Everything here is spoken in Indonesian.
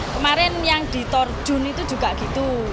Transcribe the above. kemarin yang di torjun itu juga gitu